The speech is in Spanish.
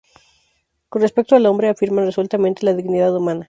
Con respecto al hombre afirman resueltamente la dignidad humana.